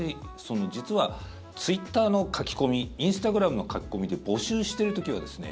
実はツイッターの書き込みインスタグラムの書き込みで募集してる時はですね